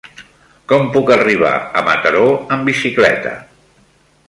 Com puc arribar a Mataró amb bicicleta?